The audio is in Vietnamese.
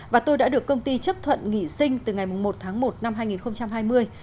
và tôi đã được công ty chấp thuận nghỉ sinh từ ngày một tháng một năm hai nghìn hai mươi